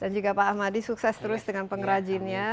dan juga pak ahmadi sukses terus dengan pengrajinnya